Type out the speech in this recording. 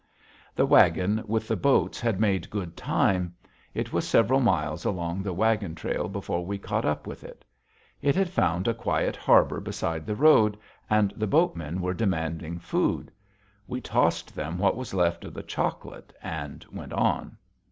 The wagon with the boats had made good time. It was several miles along the wagon trail before we caught up with it. It had found a quiet harbor beside the road, and the boatmen were demanding food. We tossed them what was left of the chocolate and went on.